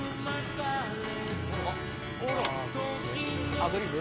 アドリブ？